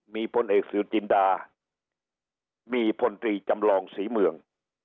มีผลเอกสุจินดามีทฤศจำลองศรีเมือง